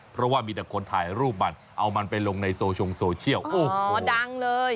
เพราะว่ามีแต่คนถ่ายรูปมันเอามันไปลงในโซเชียลโอ้โหดังเลย